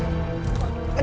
sini ke sana